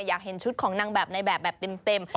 อยากเห็นชุดของนางแบบในแบบแบบเต็ม